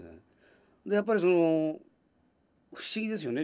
やっぱりその不思議ですよね